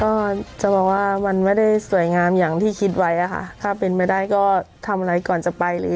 ก็จะบอกว่ามันไม่ได้สวยงามอย่างที่คิดไว้อะค่ะถ้าเป็นไปได้ก็ทำอะไรก่อนจะไปหรือ